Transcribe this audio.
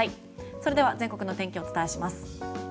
それでは全国の天気をお伝えします。